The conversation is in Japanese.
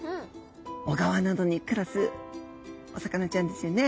小川などに暮らすお魚ちゃんですよね。